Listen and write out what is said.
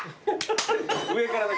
上から。